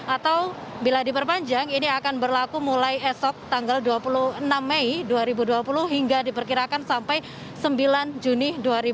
atau bila diperpanjang ini akan berlaku mulai esok tanggal dua puluh enam mei dua ribu dua puluh hingga diperkirakan sampai sembilan juni dua ribu dua puluh